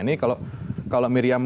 ini kalau miriam